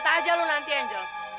lihat aja lu nanti angel